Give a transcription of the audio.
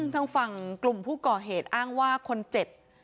ทางฝั่งกลุ่มผู้ก่อเหตุอ้างว่าคนเจ็บ